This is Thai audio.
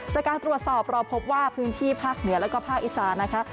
จากการตรวจสอบเราพบว่าพื้นที่ภาคเหนือแล้วก็ภาคอีสานนะคะ